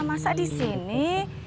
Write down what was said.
masa di sini